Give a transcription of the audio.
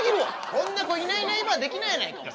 こんな子いないいないばあできないやないかお前。